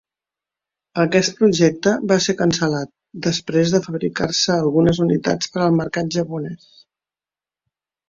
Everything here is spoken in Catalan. Aquest projecte va ser cancel·lat després de fabricar-se algunes unitats per al mercat japonès.